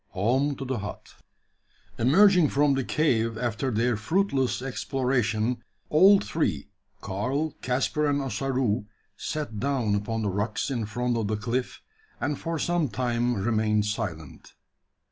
HOME TO THE HUT. Emerging from the cave after their fruitless exploration, all three Karl, Caspar, and Ossaroo sat down upon the rocks in front of the cliff, and for some time remained silent.